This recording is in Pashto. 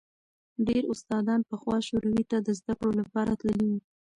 ډېر استادان پخوا شوروي ته د زدکړو لپاره تللي وو.